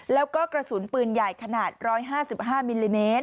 แล้วก็กระสุนปืนใหญ่ขนาด๑๕๕มิลลิเมตร